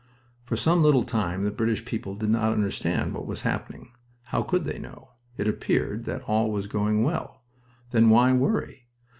For some little time the British people did not understand what was happening. How could they know? It appeared that all was going well. Then why worry?